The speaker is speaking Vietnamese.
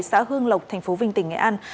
xã hương lộc tp vinh tỉnh nghệ an